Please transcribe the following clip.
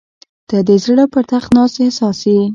• ته د زړه پر تخت ناست احساس یې.